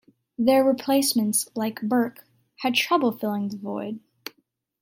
Their replacements, like Berck, had trouble filling the void.